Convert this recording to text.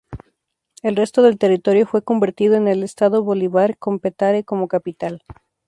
El resto del territorio fue convertido en el Estado Bolívar con Petare como capital.